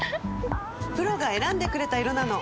プロが選んでくれた色なの！